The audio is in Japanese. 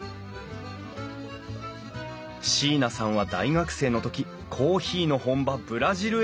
椎名さんは大学生の時コーヒーの本場ブラジルへ留学。